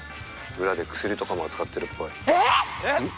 裏で薬とかも扱ってるっぽい。